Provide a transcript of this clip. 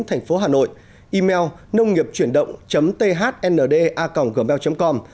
tp hà nội email nông nghiệpchuyểnđộng thnda gmail com